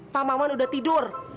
pak maman udah tidur